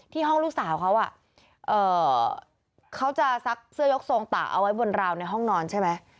ห้องลูกสาวเขาเขาจะซักเสื้อยกทรงป่าเอาไว้บนราวในห้องนอนใช่ไหม